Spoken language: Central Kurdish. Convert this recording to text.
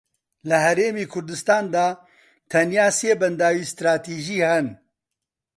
لە هەرێمی کوردستاندا تەنیا سێ بەنداوی ستراتیژی هەن